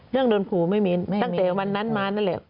เรื่องโดนผูไม่มีตั้งแต่วันนั้นมานั่นแหละ